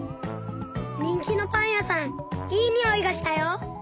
にんきのパンやさんいいにおいがしたよ！